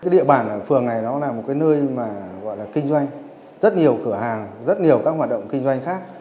địa bản phường này là một nơi kinh doanh rất nhiều cửa hàng rất nhiều các hoạt động kinh doanh khác